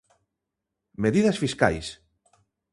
Medidas fiscais.